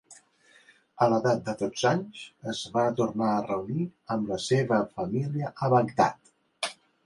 A l'edat de dotze anys, es va tornar a reunir amb la seva família a Bagdad.